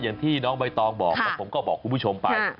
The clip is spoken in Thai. อย่างที่น้องใบตองบอกแล้วผมก็บอกคุณผู้ชมไป